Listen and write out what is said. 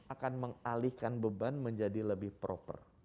akan mengalihkan beban menjadi lebih proper